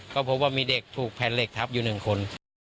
ก็พบว่ามีเด็กถูกแผ่นเหล็กทับอยู่๑คน